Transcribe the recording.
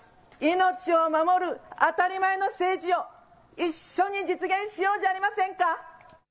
命を守る当たり前の政治を一緒に実現しようじゃありませんか。